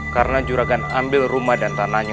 karena juragan ambil rumah dan tanahnya